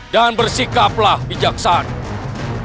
dan bersikaplah bijaksana